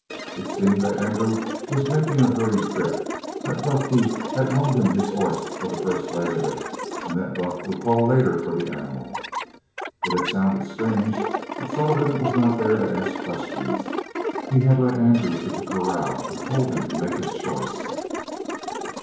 It seemed that Andrew was making a hurried trip; that Buck Heath had loaned him his horse for the first leg of it, and that Buck would call later for the animal. It had sounded strange, but Sullivan was not there to ask questions. He had led Andrew to the corral and told him to make his choice.